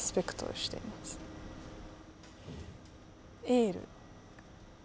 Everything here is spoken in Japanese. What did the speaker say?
エール。